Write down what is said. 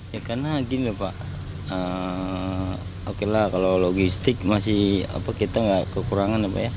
ya karena gini pak oke lah kalau logistik masih apa kita nggak kekurangan apa ya